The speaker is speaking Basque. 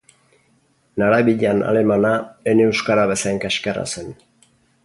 Narabilan alemana ene euskara bezain kaxkarra zen.